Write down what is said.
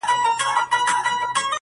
په یو مهال څو کردرونه مخته وړي